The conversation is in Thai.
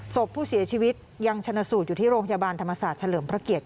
ศพผู้เสียชีวิตยังชนะสูตรอยู่ที่โรงพยาบาลธรรมศาสตร์เฉลิมพระเกียรติ